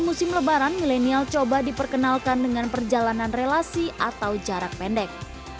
musim lebaran milenial coba diperkenalkan dengan perjalanan relasi atau jarak pendek